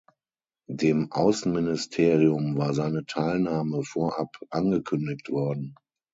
Dem Außenministerium war seine Teilnahme vorab angekündigt worden.